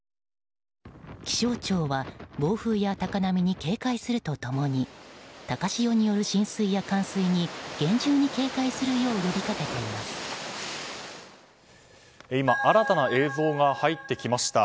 気象庁は暴風や高波に警戒すると共に高潮による浸水や冠水に厳重に警戒するよう今、新たな映像が入ってきました。